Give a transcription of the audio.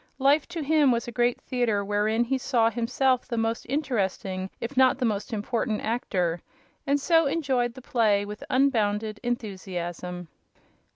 Life, to him, was a great theater wherein he saw himself the most interesting if not the most important actor, and so enjoyed the play with unbounded enthusiasm.